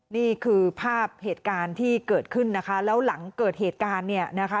นี่คือภาพเหตุการณ์ที่เกิดขึ้นนะคะแล้วหลังเกิดเหตุการณ์เนี่ยนะคะ